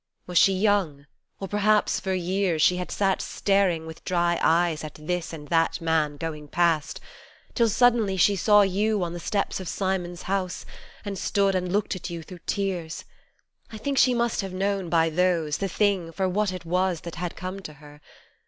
Was she young or perhaps for years She had sat staring, with dry eyes, at this and that man going past Till suddenly she saw You on the steps of Simon's house And stood and looked at You through tears. I think she must have known by those The thing, for what it was that had come to her.